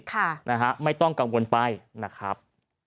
ค่ะนะฮะไม่ต้องกังวลไปนะครับ